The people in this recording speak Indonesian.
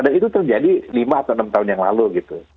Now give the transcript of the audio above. dan itu terjadi lima atau enam tahun yang lalu gitu